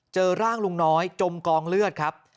เจอร่างลุงน้อยจมกองเลือดครับ